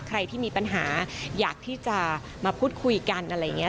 ใครที่มีปัญหาอยากที่จะมาพูดคุยกันอะไรอย่างนี้